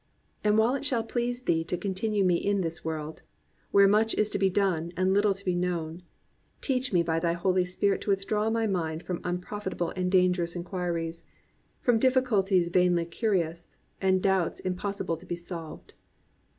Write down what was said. And while it shall please Thee to continue me in this world, where much is to be done and little to be known, teach me by thy Holy Spirit to withdraw my mind from unprofitable and dangerous inquiries, from difficulties vainly curious, and doubts impos sible to be solved.